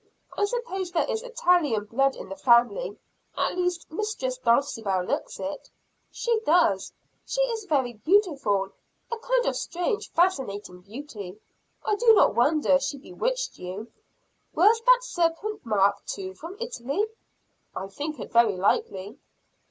I suppose there is Italian blood in the family. At least Mistress Dulcibel looks it." "She does. She is very beautiful of a kind of strange, fascinating beauty. I do not wonder she bewitched you. Was that serpent mark too from Italy?" "I think it very likely."